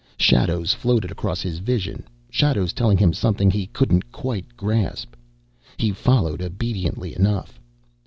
Shadows floated across his vision, shadows telling him something he couldn't quite grasp. He followed obediently enough.